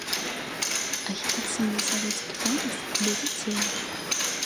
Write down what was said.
Агітацыйны савецкі комікс для дзяцей.